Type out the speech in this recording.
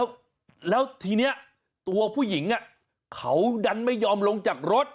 แล้วแล้วทีนี้ตัวผู้หญิงเขาดันไม่ยอมลงจากรถ